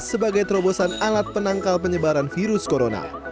sebagai terobosan alat penangkal penyebaran virus corona